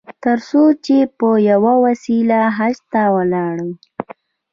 تر څو چې په یوه وسیله حج ته ولاړ.